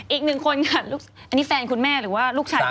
อีกหนึ่งคนค่ะอันนี้แฟนคุณแม่หรือว่าลูกชาย